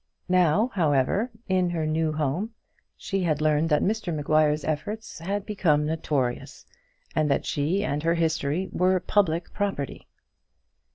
Now, however, in her new home she had learned that Mr Maguire's efforts had become notorious, and that she and her history were public property.